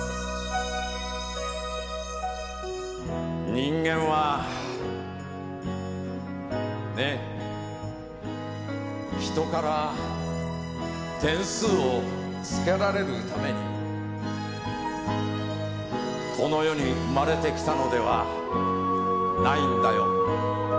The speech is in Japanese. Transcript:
「にんげんはねぇ人から点数をつけられるためにこの世に生まれてきたのではないんだよ